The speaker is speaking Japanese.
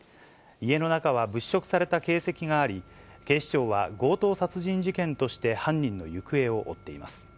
家の中は物色された形跡があり、警視庁は強盗殺人事件として犯人の行方を追っています。